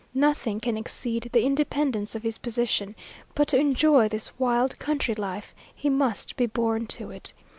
Nothing can exceed the independence of his position; but to enjoy this wild country life, he must be born to it.